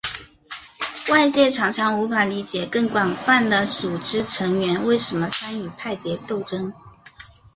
外界常常无法理解更广泛的组织成员为什么参与派别斗争。